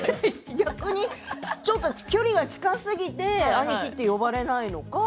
逆に距離が近すぎて兄貴と呼ばれないのか。